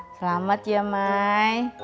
selamat ya mai